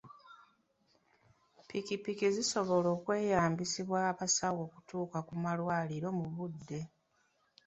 Ppikipiki zisobola okweyambisibwa abasawo okutuuka ku malwaliro mu budde.